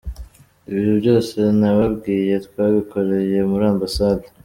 Ibyo byose nababwiye twabikoreye muri ambasade.